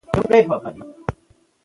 ښځه د مېلمنو هرکلی کوي.